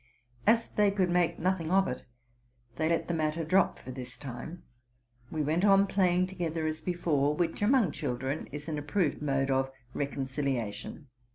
'' As they could make nothing of it, they let the matter drop for this time: we went on playing together as before, which among children is an approved mode of reconciliation.